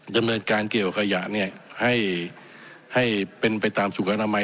ดำเนินการเกี่ยวขยะเนี่ยให้เป็นไปตามสุขอนามัย